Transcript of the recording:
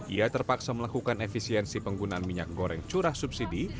ia terpaksa melakukan efisiensi penggunaan minyak goreng curah subsidi